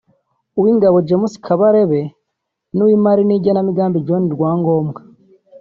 uw’Ingabo James Kabarebe n’Uw’Imari n’Igenamigambi John Rwangombwa